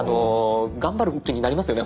頑張る気になりますよね